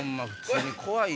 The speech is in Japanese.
怖い！